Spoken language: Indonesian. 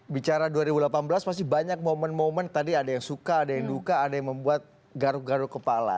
bicara dua ribu delapan belas masih banyak momen momen tadi ada yang suka ada yang duka ada yang membuat garuk garu kepala